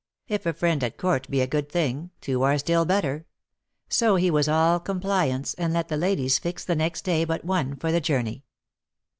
If a friend at court be a good thing, two are still better ; so he was all compliance, and let the ladies fix the next day but one for the journey.